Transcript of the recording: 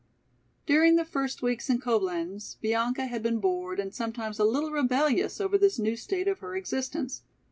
During the first weeks in Coblenz, Bianca had been bored and sometimes a little rebellious over this new state of her existence.